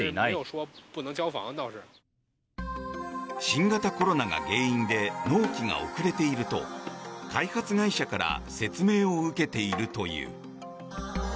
新型コロナが原因で納期が遅れていると開発会社から説明を受けているという。